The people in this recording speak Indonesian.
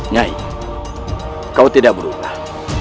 nyai kau tidak berubah